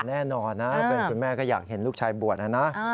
แน่นอนนะเป็นคุณแม่ก็อยากเห็นลูกชายบวชนะนะ